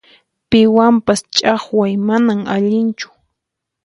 Piwanpas ch'aqwayqa manan allinchu.